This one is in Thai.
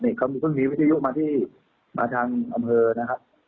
เขาเพิ่งมีวิทยุมาที่มาทางอำเภอนะครับ